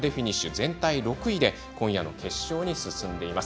全体６位で今夜の決勝に進みます。